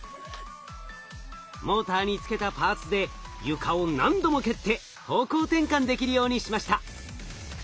モーターに付けたパーツで床を何度も蹴って方向転換できるようにしました。